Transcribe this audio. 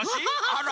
あら！